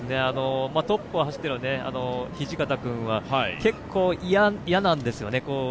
トップを走っている土方君は結構嫌なんですよね。